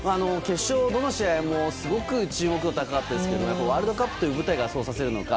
どの試合もすごく注目度が高かったですけどワールドカップという舞台がそうさせるのか。